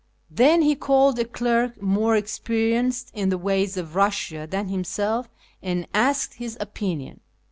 Then he called a clerk more experienced in the ways of Eussia than himself and asked his opinion.